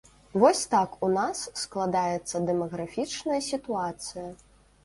Вось так у нас складаецца дэмаграфічная сітуацыя.